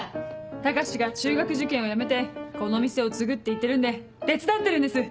高志が中学受験をやめてこの店を継ぐって言ってるんで手伝ってるんです。